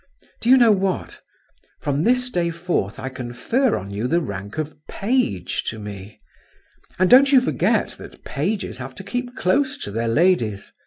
Do you know what? From this day forth I confer on you the rank of page to me; and don't you forget that pages have to keep close to their ladies.